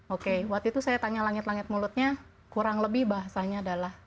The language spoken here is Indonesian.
oke waktu itu saya tanya langit langit mulutnya kurang lebih bahasanya adalah